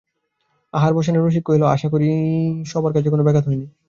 আহার-অবসানে রসিক কহিল, আশা করি সভার কাজের কোনো ব্যাঘাত হয় নি।